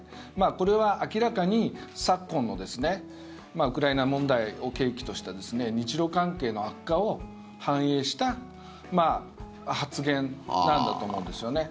これは明らかに昨今のウクライナ問題を契機とした日ロ関係の悪化を反映した発言なんだと思うんですよね。